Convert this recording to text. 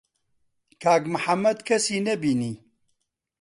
کاک محەممەد کەسی نەبینی.